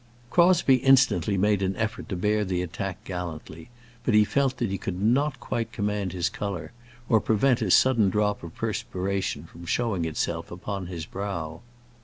Crosbie instantly made an effort to bear the attack gallantly, but he felt that he could not quite command his colour, or prevent a sudden drop of perspiration from showing itself upon his brow.